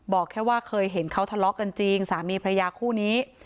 บอกแค่ว่าเคยเห็นเขาทะเลาะกันจริงสามีพระยาคู่นี้